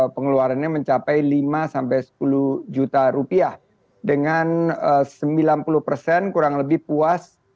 pengeluarannya mencapai lima sampai sepuluh juta rupiah dengan sembilan puluh persen kurang lebih puas